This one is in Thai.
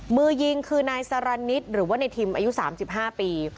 มือยิงคือนายสรรนิดหรือว่าในทิมอายุ๓๕ปี